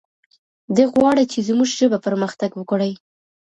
دی غواړي چې زموږ ژبه پرمختګ وکړي.